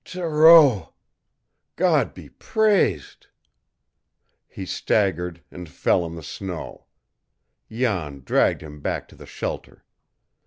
"Thoreau, God be praised " He staggered, and fell in the snow. Jan dragged him back to the shelter.